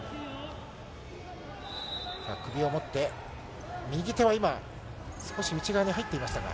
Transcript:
首を持って、右手を今、少し内側に入っていました。